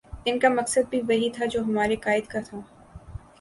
ان کا مقصد بھی وہی تھا جو ہمارے قاہد کا تھا